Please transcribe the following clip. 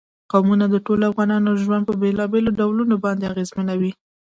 قومونه د ټولو افغانانو ژوند په بېلابېلو ډولونو باندې اغېزمنوي.